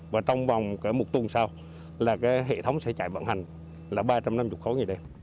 và trong vòng một tuần sau là cái hệ thống sẽ chạy vận hành là ba trăm năm mươi khối ngày đêm